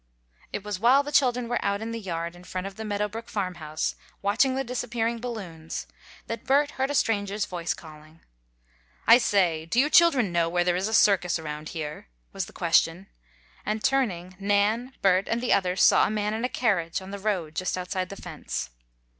It was while the children were out in the yard in front of the Meadow Brook farmhouse, watching the disappearing balloons, that Bert heard a stranger's voice calling. "I say, do you children know where there is a circus around here?" was the question, and, turning, Nan, Bert and the others saw a man in a carriage, on the road just outside the fence.